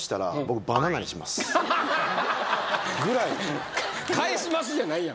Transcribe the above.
はっぐらい「返します」じゃないんや？